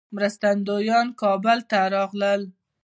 مرستندویان کابل ته راغلل.